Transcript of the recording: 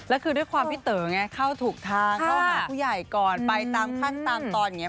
แล้วคือด้วยความพี่เต๋อไงเข้าถูกทางเข้าหาผู้ใหญ่ก่อนไปตามขั้นตามตอนอย่างนี้